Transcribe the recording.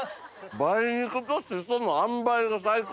梅肉とシソのあんばいが最高。